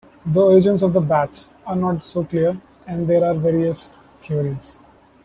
The origins of the Bats are not so clear, and there are various theories.